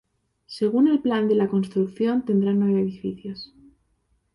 Según el plan de la construcción tendrá nueve edificios.